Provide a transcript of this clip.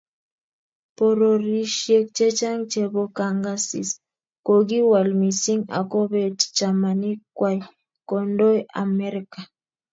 Pororiosiek chechang chebo kongasis kokiwal missing akobet chamanik kwai kondoe Amerika